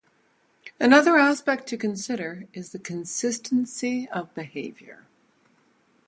Another aspect to consider is the consistency of behavior.